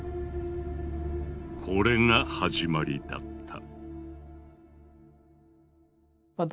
これが始まりだった。